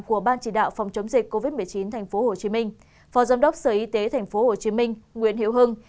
của ban chỉ đạo phòng chống dịch covid một mươi chín tp hcm phó giám đốc sở y tế tp hcm nguyễn hiệu hưng